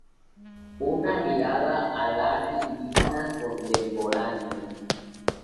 Una mirada al arte indígena contemporáneo.